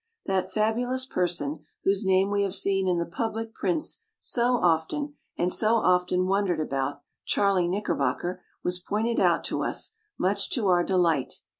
That fabulous person whose name we have seen in the public prints so often and so often wondered about, Charlie Knickerbocker, was pointed out to us, much to our delight.